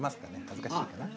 恥ずかしいかな？